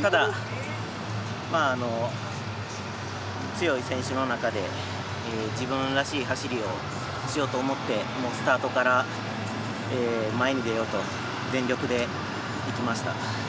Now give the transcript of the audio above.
ただ、強い選手の中で自分らしい走りをしようと思ってスタートから前に出ようと全力でいきました。